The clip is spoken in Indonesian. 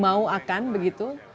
baru mau akan begitu